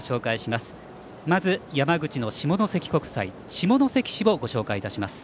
まず、山口の下関国際下関市をご紹介します。